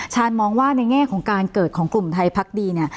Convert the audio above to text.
มองว่าในแง่ของการเกิดของกลุ่มไทยพักดีเนี่ย